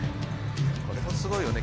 これもすごいよね。